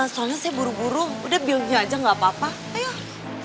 soalnya saya buru buru udah belgia aja gak apa apa ayo